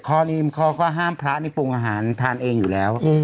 ข้อนี้ข้อก็ห้ามพระปรุงอาหารทานเองอยู่แล้ว